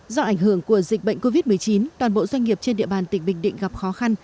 do ảnh hưởng của dịch bệnh covid một mươi chín toàn bộ doanh nghiệp trên địa bàn tỉnh bình định gặp khó khăn